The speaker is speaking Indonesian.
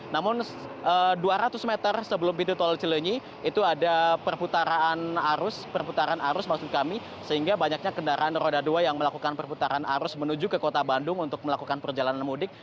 namun dua ratus meter sebelum pintu tol cilenyi itu ada perputaran arus perputaran arus maksud kami sehingga banyaknya kendaraan roda dua yang melakukan perputaran arus menuju ke kota bandung untuk melakukan perjalanan mudik